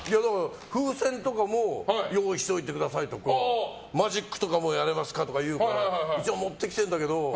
風船とかも用意しといてくださいとかマジックとかもやれますかとか言うから一応持ってきてるんだけど。